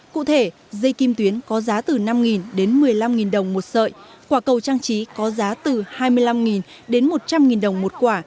cụ thể dây kim tuyến có giá từ năm đến một mươi năm đồng một sợi quả cầu trang trí có giá từ hai mươi năm đến một trăm linh đồng một quả